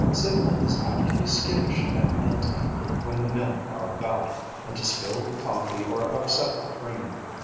Signa is apt to be skittish at mealtime, when the men are about, and to spill the coffee or upset the cream.